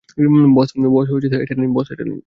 বস, এটা নিন।